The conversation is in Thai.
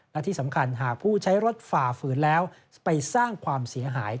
และที่สำคัญหากผู้ใช้รถฝ่าฝืนแล้วจะไปสร้างความเสียหาย